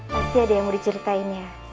pasti ada yang mau diceritain ya